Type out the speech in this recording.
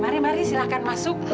mari mari silahkan masuk